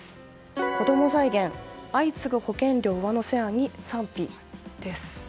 子ども財源相次ぐ保険料上乗せ案に賛否です。